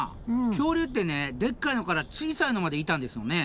恐竜ってねでっかいのから小さいのまでいたんですよね？